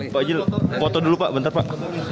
pak jil foto dulu pak bentar pak